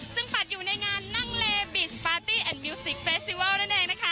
ซึ่งปัดอยู่ในงานนั่งเลบิตสปาร์ตี้แอนดมิวสิกเฟสติวัลนั่นเองนะคะ